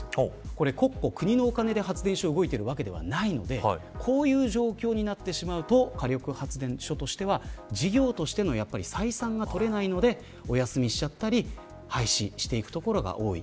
これは、国のお金で発電所が動いているわけではないのでこういう状況になってしまうと火力発電所としては事業としての採算が取れないのでお休みしたり廃止していくところが多い。